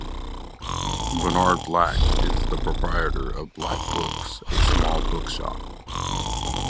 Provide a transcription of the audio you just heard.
Bernard Black is the proprietor of Black Books, a small bookshop.